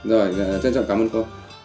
rồi trân trọng cảm ơn cô